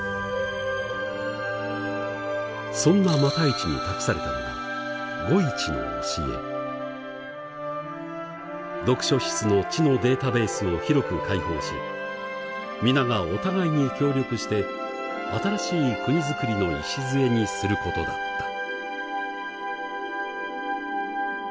そんな復一に託されたのが読書室の知のデータベースを広く開放し皆がお互いに協力して新しい国づくりの礎にすることだった。